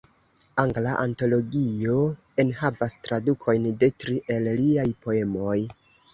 Angla Antologio enhavas tradukojn de tri el liaj poemoj.